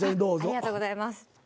ありがとうございます。